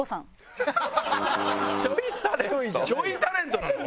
ちょいタレントなの？